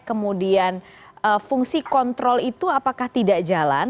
kemudian fungsi kontrol itu apakah tidak jalan